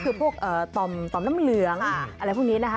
ก็คือพวกตอบน้ำเหลืองอะไรพวกนี้